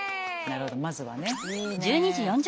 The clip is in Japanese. なるほどまずはね。